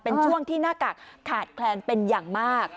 เป็นช่วงที่หน้ากากขาดแคลนเป็นอย่างมาก